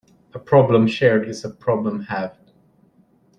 A problem shared is a problem halved.